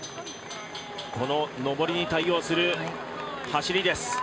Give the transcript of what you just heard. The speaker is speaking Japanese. この上りに対応する走りです。